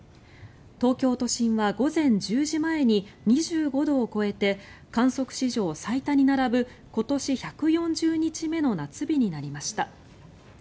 東京都心は午前１０時前に２５度を超えて観測史上最多に並ぶ今年１４０日目の夏日になりました。